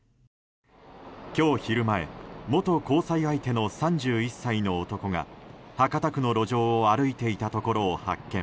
今日昼前元交際相手の３１歳の男が博多区の路上を歩いていたところを発見。